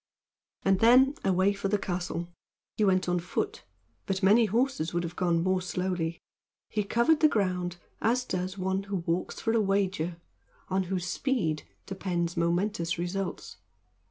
And then, away for the castle. He went on foot; but many horses would have gone more slowly. He covered the ground as does one who walks for a wager, or on whose speed depends momentous results.